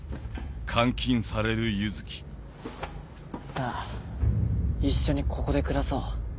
さぁ一緒にここで暮らそう。